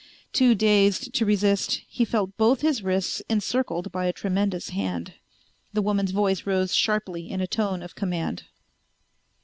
Too dazed to resist, he felt both his wrists encircled by a tremendous hand. The woman's voice rose sharply in a tone of command.